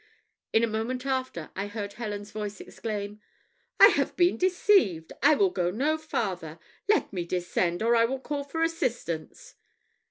In a moment after, I heard Helen's voice exclaim, "I have been deceived; I will go no farther! Let me descend, or I will call for assistance!"